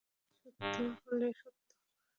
ঠিক আছে, সত্যি হলে সত্যি।